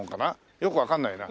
よくわかんないな。